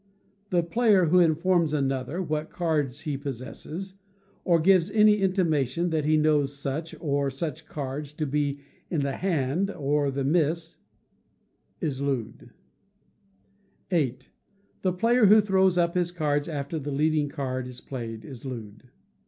The player who informs another what cards he possesses, or gives any intimation that he knows such or such cards to be in the hand or the miss, is looed. viii. The player who throws up his cards after the leading card is played, is looed.